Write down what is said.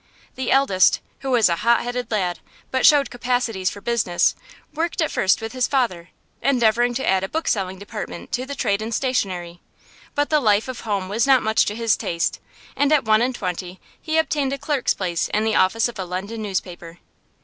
The eldest, who was a hot headed lad, but showed capacities for business, worked at first with his father, endeavouring to add a bookselling department to the trade in stationery; but the life of home was not much to his taste, and at one and twenty he obtained a clerk's place in the office of a London newspaper.